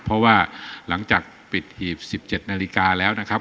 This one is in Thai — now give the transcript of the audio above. เพราะว่าหลังจากปิดหีบ๑๗นาฬิกาแล้วนะครับ